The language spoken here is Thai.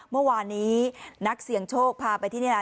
เมื่อวานนี้นักเสี่ยงโชคพาไปที่นี่นะ